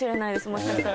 もしかしたら。